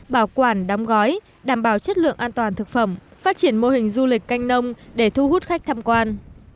bảo quản đóng gói đảm bảo chất lượng an toàn thực phẩm phát triển mô hình du lịch canh nông để thu hút khách tham quan